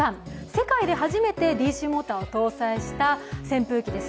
世界で初めてＤＣモーターを搭載した扇風機です。